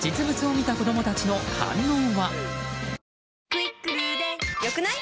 「『クイックル』で良くない？」